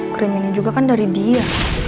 krim ini juga kan dari dia